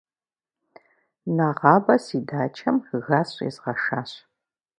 Нэгъабэ си дачэм газ щӏезгъэшащ.